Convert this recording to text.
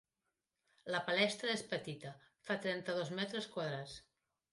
La palestra és petita, fa trenta-dos metres quadrats.